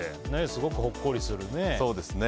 すごくほっこりするね。